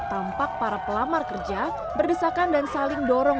tampak para pelamar kerja berdesakan dan saling dorong